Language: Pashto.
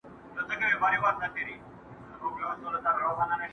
هېر مي دي ښایسته لمسیان ګوره چي لا څه کیږي!.